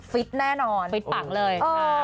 ฟิตแน่นอนฟิตปังเลย